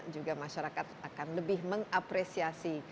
juga masyarakat akan lebih mengapresiasi